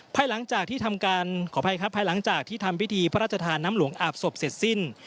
ภายหลังจากที่พิธีพรจฐาฯน้ำหลวงอาบศพเสร็จสิ้น